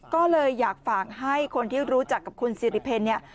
ก็เลยอยากฝากให้คนที่รู้จักกับคุณสิริเพลเนี่ย